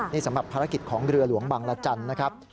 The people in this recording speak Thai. นี่สำหรับภารกิจของเรือหลวงบังละจันทร์นะครับ